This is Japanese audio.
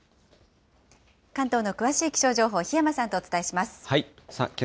関東の詳しい気象情報、檜山さんとお伝えします。